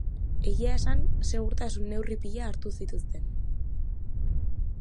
Egia esan, segurtasun neurri pila hartu zituzten.